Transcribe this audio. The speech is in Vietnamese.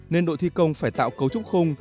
nên đội thi công phải tạo cấu trúc khung